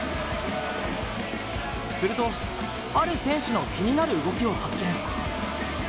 すると、ある選手の気になる動きを発見。